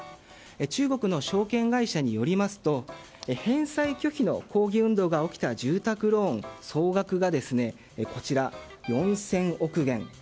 中国の証券会社によりますと返済拒否の抗議運動が起きた住宅ローン、総額が４０００億元。